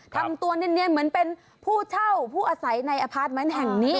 ทำตัวเนียนเหมือนเป็นผู้เช่าผู้อาศัยในอพาร์ทเมนต์แห่งนี้